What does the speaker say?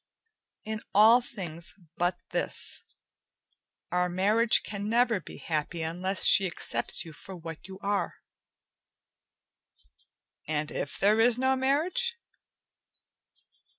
"In all things but this. Our marriage can never be happy unless she accepts you for what you are." "And if there is no marriage?"